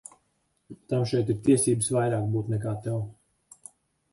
Tam šeit ir tiesības vairāk būt nekā tev.